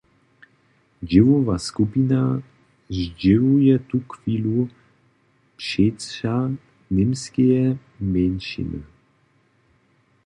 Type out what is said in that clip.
Dźěłowa skupina zdźěłuje tuchwilu přeća němskeje mjeńšiny.